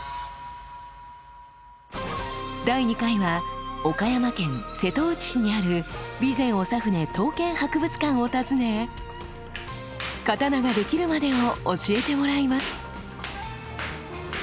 第２回は岡山県瀬戸内市にある備前長船刀剣博物館を訪ね刀ができるまでを教えてもらいます。